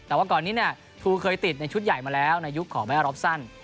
แต่ว่าก่อนนี้ทูเคยติดในชุดใหญ่มาแล้วในยุคขอแมวอรอบสั้น